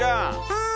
はい。